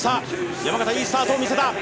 山縣いいスタートを見せた。